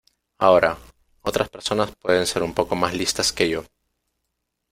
Ahora, otras personas pueden ser un poco más listas que yo.